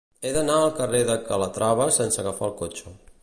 He d'anar al carrer de Calatrava sense agafar el cotxe.